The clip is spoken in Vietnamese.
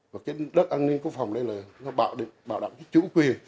và cái đất an ninh quốc phòng đây là bảo đảm cái chủ quyền